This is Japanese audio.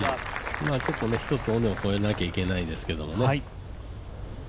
ちょっと１つ尾根を越えなきゃいけないですけどね。